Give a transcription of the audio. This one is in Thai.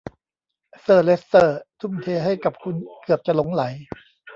เซอร์เลสเตอร์ทุ่มเทให้กับคุณเกือบจะหลงใหล